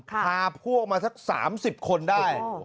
พาพวกมาสัก๓๐คนได้